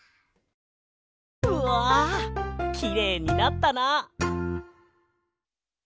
うわきれいになったな！